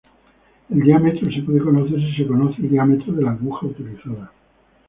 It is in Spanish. El diámetro se puede conocer si se conoce el diámetro de la aguja utilizada.